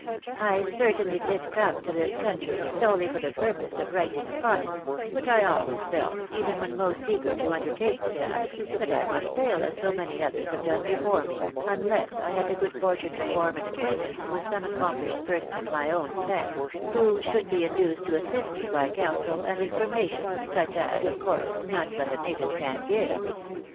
I certainly did come to this country solely for the pur pose of writing upon it ; but I always felt, even when most eager to undertake the task, that I must fail as so many others have done before me, unless I had the good fortune to form an ac quaintance with some accomplished person of my own sex, who should be induced to assist me by counsel and information, such as, of course, none but a native can give."